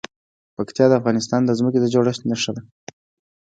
پکتیا د افغانستان د ځمکې د جوړښت نښه ده.